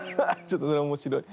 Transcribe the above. ちょっとそれ面白い。